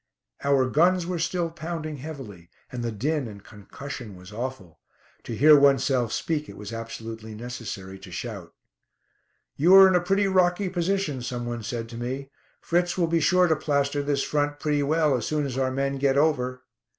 Our guns were still pounding heavily, and the din and concussion was awful. To hear oneself speak it was absolutely necessary to shout. "You are in a pretty rocky position," some one said to me. "Fritz will be sure to plaster this front pretty well as soon as our men 'get over.'"